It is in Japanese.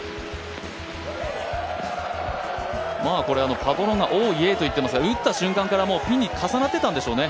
これはパトロンがオーイエーといっていますが、打った瞬間からピンに重なってたんでしょうね。